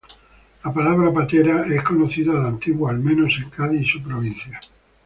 La palabra patera es conocida de antiguo, al menos en Cádiz y su provincia.